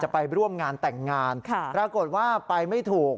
ไปร่วมงานแต่งงานปรากฏว่าไปไม่ถูก